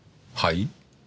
はい？